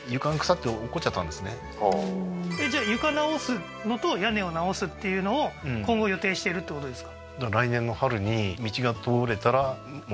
じゃあ床直すのと屋根を直すっていうのを今後予定してるってことですか？